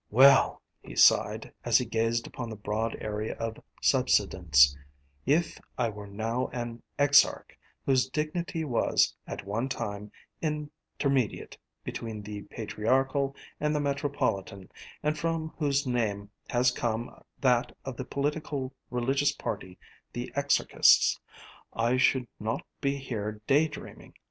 "Well," he sighed, as he gazed upon the broad area of subsidence, "if I were now an exarch, whose dignity was, at one time, intermediate between the Patriarchal and the Metropolitan and from whose name has come that of the politico religious party, the Exarchists, I should not be here day dreaming.